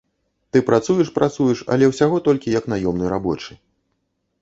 Ты працуеш-працуеш, але ўсяго толькі як наёмны рабочы.